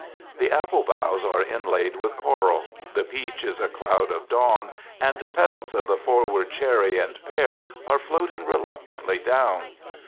The apple boughs are inlaid with coral. The peach is a cloud of dawn, and petals of the forward cherry and pear are floating reluctantly down.